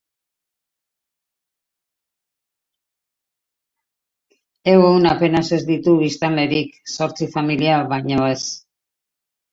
Egun apenas ez ditu biztanlerik, zortzi familia baino ez.